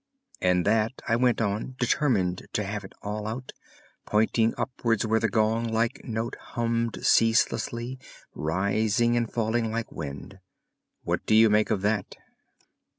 "And that," I went on, determined to have it all out, pointing upwards where the gong like note hummed ceaselessly, rising and falling like wind. "What do you make of that?"